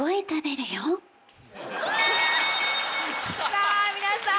さぁ皆さん